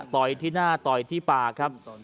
ต่อยที่หน้าต่อยที่ปากครับ